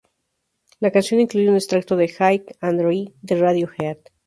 La canción incluye un extracto de "High and Dry" de Radiohead.